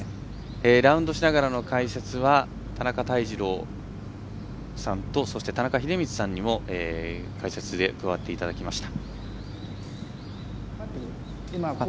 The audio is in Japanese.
ラウンドしながらの解説は田中泰二郎さんとそして田中秀道さんにも解説で加わっていただきました。